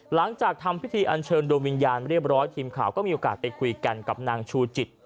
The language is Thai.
หลังจากทำพิธีอันเชิญดวงวิญญาณเรียบร้อยทีมข่าวก็มีโอกาสไปคุยกันกับนางชูจิต